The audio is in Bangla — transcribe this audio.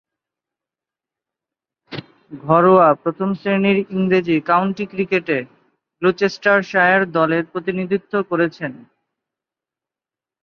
ঘরোয়া প্রথম-শ্রেণীর ইংরেজ কাউন্টি ক্রিকেটে গ্লুচেস্টারশায়ার দলের প্রতিনিধিত্ব করেছেন।